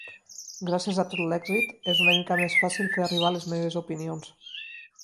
Gràcies a tot l'èxit, és una mica més fàcil fer arribar les meves opinions.